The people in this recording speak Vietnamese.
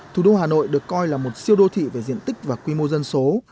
thủ đô hà nội được coi là một siêu đô thị về diện tích và quy mô dân số